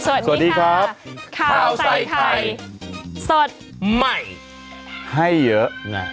สวัสดีครับข้าวใส่ไข่สดใหม่ให้เยอะนะ